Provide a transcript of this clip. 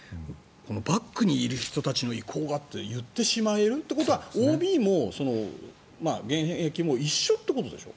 バックにいる人たちの威光がって言ってしまえるっていうことはＯＢも現役も一緒ってことでしょ？